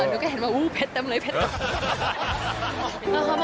หนูก็เห็นว่าเผ็ดเต็มเลยเผ็ดเต็ม